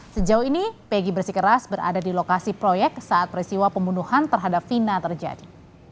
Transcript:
sejauh ini peggy bersikeras berada di lokasi proyek saat peristiwa pembunuhan terhadap vina terjadi